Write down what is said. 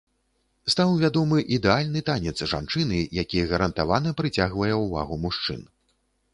Стаў вядомы ідэальны танец жанчыны, які гарантавана прыцягвае ўвагу мужчын.